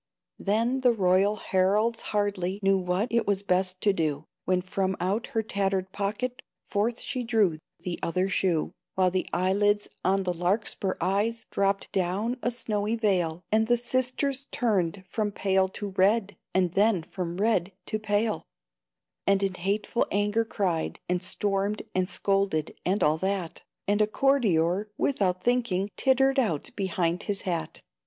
Then the royal heralds hardly Knew what it was best to do, When from out her tattered pocket Forth she drew the other shoe, While the eyelids on the larkspur eyes Dropped down a snowy vail, And the sisters turned from pale to red, And then from red to pale, And in hateful anger cried, and stormed, And scolded, and all that, And a courtier, without thinking, Tittered out behind his hat.